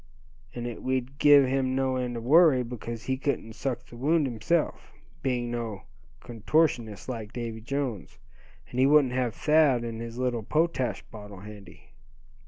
And it w'd give him no end of worry, because he couldn't suck the wound himself, being no contortionist like Davy Jones; and he wouldn't have Thad and his little potash bottle handy."